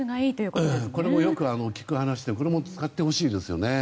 これもよく聞く話で使ってほしいですよね。